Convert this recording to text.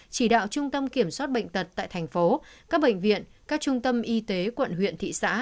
chỉ đạo trung tâm kiểm soát bệnh tật tại thành phố các bệnh viện các trung tâm y tế quận huyện thị xã